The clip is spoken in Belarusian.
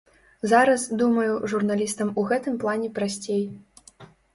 Зараз, думаю, журналістам у гэтым плане прасцей.